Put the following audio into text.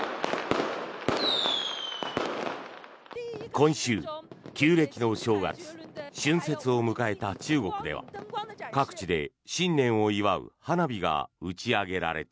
今週、旧暦の正月春節を迎えた中国では各地で新年を祝う花火が打ち上げられた。